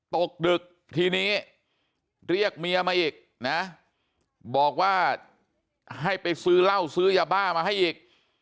ตกดึกทีนี้เรียกเมียมาอีกนะบอกว่าให้ไปซื้อเหล้าซื้อยาบ้ามาให้อีก